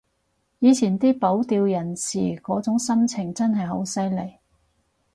以前啲保釣人士嗰種真心真係好犀利